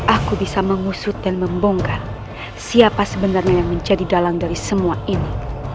aku bisa mengusut dan membongkar siapa sebenarnya yang menjadi dalang dari semua ini